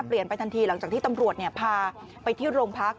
ไปทันทีหลังจากที่ตำรวจพาไปที่โรงพัก